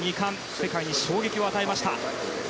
世界に衝撃を与えました。